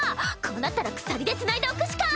こうなったら鎖でつないでおくしか。